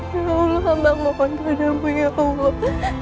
ya allah mbak mohon padamu ya allah